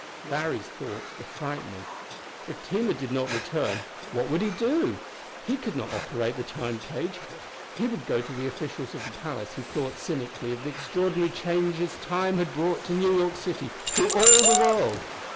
Larry's thoughts were frightening. If Tina did not return, what would he do? He could not operate the Time cage. He would go to the officials of the palace; he thought cynically of the extraordinary changes time had brought to New York City, to all the world.